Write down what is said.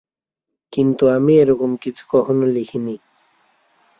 কিন্তু আমি এ-রকম কিছু কখনো লিখি নি।